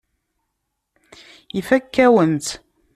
Ifakk-awen-tt.